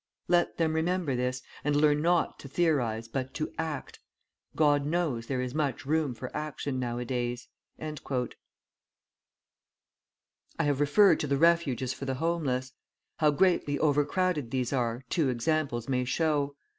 Let them remember this, and learn not to theorise but to act. God knows, there is much room for action nowadays." I have referred to the refuges for the homeless. How greatly overcrowded these are, two examples may show.